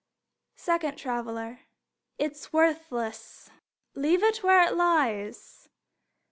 Second Traveler: It's worthless. Leave it where it lies.